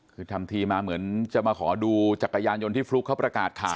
คือทำทีมาเหมือนจะมาขอดูจักรยานยนต์ที่ฟลุ๊กเขาประกาศข่าว